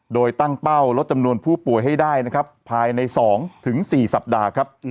โดยตั้งเป้าลดจำนวนผู้ป่วยให้ได้นะครับภายใน๒๔สัปดาห์ครับ